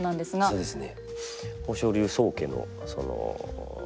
そうですね。